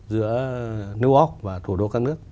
giữa new york và thủ đô các nước